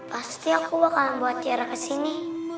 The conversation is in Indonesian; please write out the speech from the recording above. pasti aku akan buat tiara kesini